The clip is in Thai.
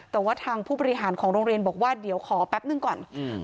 แต่ว่าทางผู้บริหารของโรงเรียนบอกว่าเดี๋ยวขอแป๊บนึงก่อนอืม